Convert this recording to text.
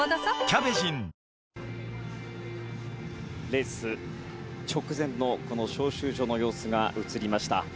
レース直前の招集所の様子が映りました。